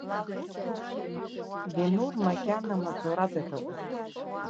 Бенур макьана маҵурада дыҟоуп.